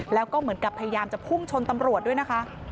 แล้วก็เหมือนกับพยายามจะพุ่งชนตำรวจด้วยนะคะ